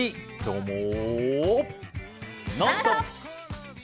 「ノンストップ！」。